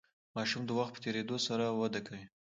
ماشوم د وخت په تیریدو سره وده کوي.